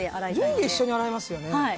上下一緒に洗いますよね。